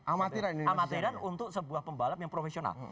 amatedan untuk sebuah pembalap yang profesional